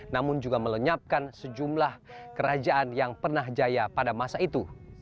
namun juga melenyapkan sejumlah kerajaan yang pernah jaya pada masa itu